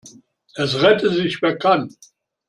Es rette sich, wer kann.